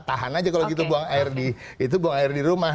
tahan aja kalau gitu buang air di rumah